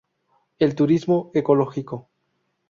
El turismo ecológico.